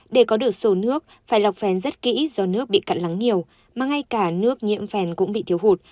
để có được sổ nước phải lọc phèn rất kỹ do nước bị cặn lắng nhiều mà ngay cả nước nhiễm phèn cũng bị thiếu hụt